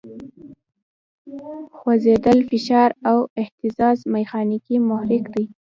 خوځېدل، فشار او اهتزاز میخانیکي محرک دی.